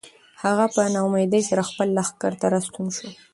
هغه په ناامیدۍ سره خپل لښکر ته راستون شو.